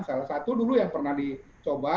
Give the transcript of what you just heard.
salah satu dulu yang pernah dicoba